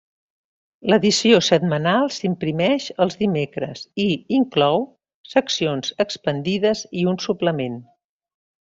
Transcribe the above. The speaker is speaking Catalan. L'edició setmanal s'imprimeix els dimecres, i inclou seccions expandides i un suplement.